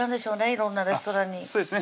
色んなレストランにそうですね